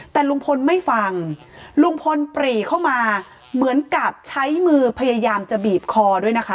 แต่ลุงพลไม่ฟังลุงพลปรีเข้ามาเหมือนกับใช้มือพยายามจะบีบคอด้วยนะคะ